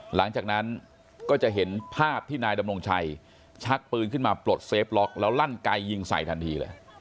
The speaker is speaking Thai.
หลังจากนั้นก็จะเห็นภาพที่นายดำรงชัยชักปืนขึ้นมาปลดเซฟล็อกแล้วลั่นไกยิงใส่ทันทีเลย